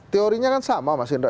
teorinya kan sama mas indra